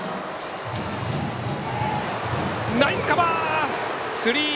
ナイスカバー！